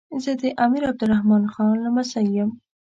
زه د امیر عبدالرحمان لمسی یم.